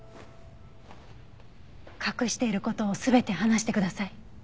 隠している事を全て話してください。